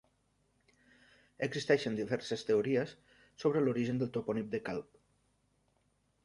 Existeixen diverses teories sobre l'origen del topònim de Calp.